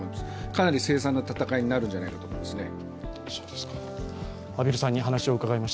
かなり凄惨な戦いになるんじゃないかと思いますね。